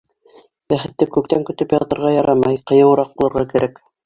— Бәхетте күктән көтөп ятырға ярамай, ҡыйыуыраҡ булырға кәрәк.